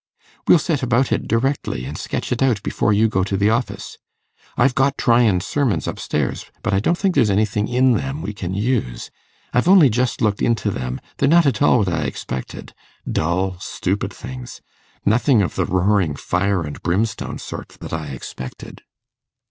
'We'll set about it directly, and sketch it out before you go to the office. I've got Tryan's sermons up stairs, but I don't think there's anything in them we can use. I've only just looked into them; they're not at all what I expected dull, stupid things nothing of the roaring fire and brimstone sort that I expected.